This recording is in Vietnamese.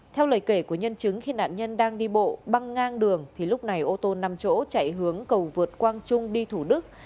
theo lời kể của nhân chứng khi nạn nhân đang đi bộ băng ngang đường thì lúc này ô tô năm chỗ chạy hướng cầu vượt quang trung đi thủ đức